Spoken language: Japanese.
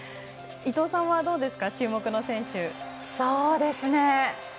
伊藤さんは、どうですか注目選手は。